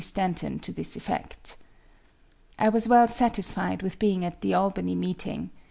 Stanton to this effect. "I was well satisfied with being at the Albany meeting.